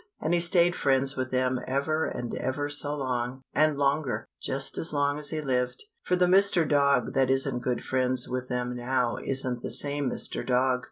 And he stayed friends with them ever and ever so long and longer just as long as he lived, for the Mr. Dog that isn't good friends with them now isn't the same Mr. Dog.